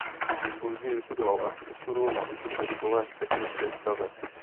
Později vystudoval architekturu na Vysoké škole technické v Praze.